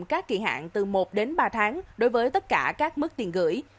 các kỳ hạn từ một đến ba tháng đối với tất cả các mức tiền gửi